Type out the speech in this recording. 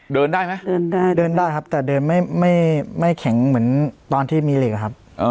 เดินได้ไหมเดินได้เดินได้ครับแต่เดินไม่แข็งเหมือนตอนที่มีเหล็กอะครับ